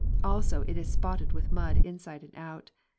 Also it is spotted with mud inside and out.